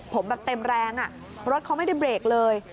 ผมแบบเต็มแรงรถเขาไม่ได้เบรกเลย